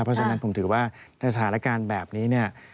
เพราะฉะนั้นผมถือว่าสถานการณ์แบบนี้เนี่ย